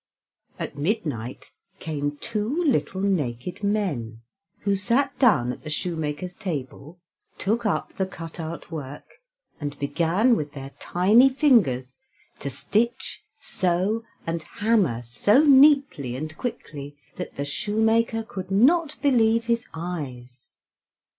At midnight came two little naked men, who sat down at the shoemaker's table, took up the cut out work, and began with their tiny fingers to stitch, sew, and hammer so neatly and quickly, that the shoemaker could not believe his eyes.